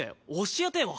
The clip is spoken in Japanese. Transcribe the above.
教えてよ！